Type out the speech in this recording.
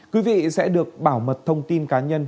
quý vị sẽ được bảo mật thông tin cá nhân